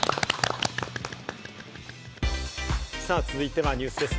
さぁ続いてはニュースです。